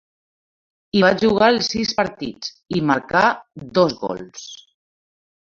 Hi va jugar els sis partits, i marcà dos gols.